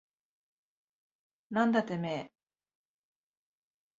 なんだてめえ。